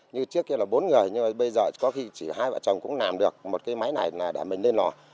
như trước kia là bốn người nhưng mà bây giờ có khi chỉ hai vợ chồng cũng làm được một cái máy này là để mình lên lò